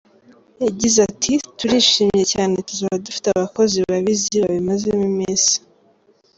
Yagize ati “Turishimye cyane tuzaba dufite abakozi babizi babimazemo iminsi.